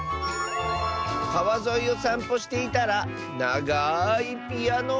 「かわぞいをさんぽしていたらながいピアノをみつけた！」。